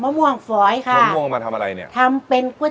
แล้วมะม่วงมะม่วงน้ำตาลมีหัวขักมูลเขา